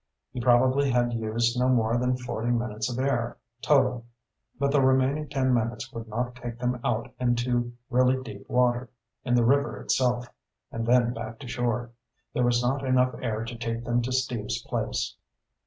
He probably had used no more than forty minutes of air, total. But the remaining ten minutes would not take them out into really deep water in the river itself, and then back to shore. There was not enough air to take them to Steve's place.